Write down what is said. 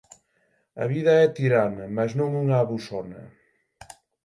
A vida é tirana, mais non unha abusona.